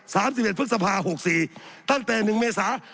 สามสิบเอ็ดพฤษภาหกสี่ตั้งแต่หนึ่งเมษา